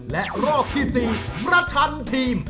และรอบที่๔ประชันทีม